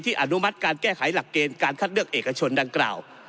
อนุมัติการแก้ไขหลักเกณฑ์การคัดเลือกเอกชนดังกล่าว